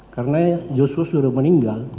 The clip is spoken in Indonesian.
karena joshua sudah meninggal